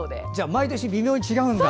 毎年微妙に違うんだ。